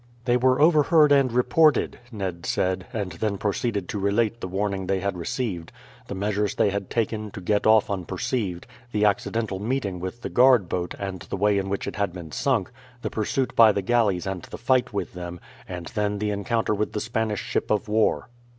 "They were overheard and reported," Ned said; and then proceeded to relate the warning they had received, the measures they had taken to get off unperceived, the accidental meeting with the guard boat and the way in which it had been sunk, the pursuit by the galleys and the fight with them, and then the encounter with the Spanish ship of war.